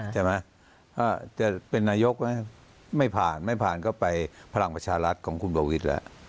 แต่เป็นนายกไม่ผ่านไม่ผ่านก็ไปพลังประชารัฐของคุณเบาวิทย์แล้ว